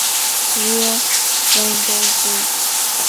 Rio: Rainbow Gate!